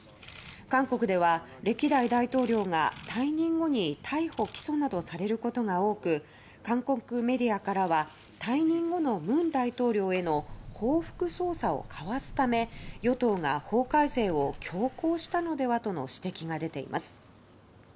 韓国では、歴代大統領が退任後に逮捕・起訴などされることが多く韓国メディアからは退任後の文大統領への報復捜査をかわすため与党が法改正を強行したのではとの指摘が出ています。